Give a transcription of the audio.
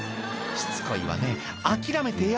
しつこいわね諦めてよ」